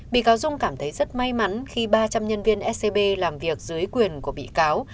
bị cáo dung cảm thấy rất may mắn khi ba trăm linh nhân viên scb làm việc dưới quyền của bị cáo